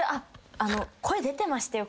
「声出てましたよ